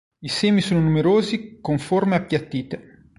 I semi sono numerosi con forme appiattite.